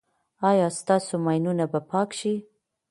ایا ستاسو ماینونه به پاک شي؟